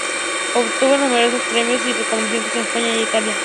Obtuvo numerosos premios y reconocimientos en España e Italia.